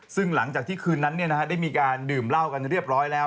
ซึ่งหลังจากที่คืนนั้นได้มีการดื่มเหล้ากันเรียบร้อยแล้ว